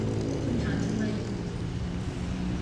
คุณถามทำไม